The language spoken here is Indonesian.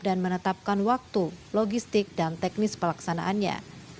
dan menetapkan waktu logistik dan teknis pelaksanaannya